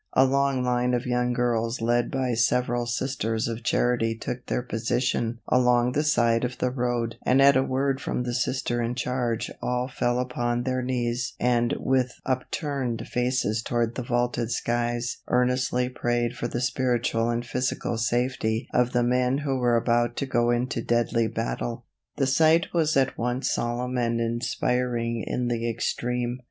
A long line of young girls led by several Sisters of Charity took their position along the side of the road and at a word from the Sister in charge all fell upon their knees and with upturned faces toward the vaulted skies earnestly prayed for the spiritual and physical safety of the men who were about to go into deadly battle. The sight was at once solemn and inspiring in the extreme.